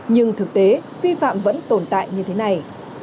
nhưng thực tế vi phạm vẫn tồn tại như thế này